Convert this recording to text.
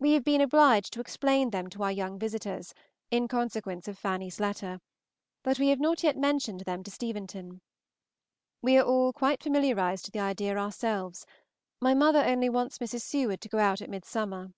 We have been obliged to explain them to our young visitors, in consequence of Fanny's letter, but we have not yet mentioned them to Steventon. We are all quite familiarized to the idea ourselves; my mother only wants Mrs. Seward to go out at midsummer.